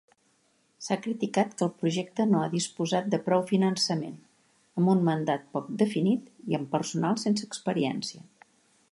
S'ha criticat que el projecte no ha disposat de prou finançament, amb un mandat poc definit i amb personal sense experiència.